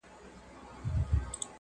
o خټک که ښه سوار دئ، د يوه وار دئ٫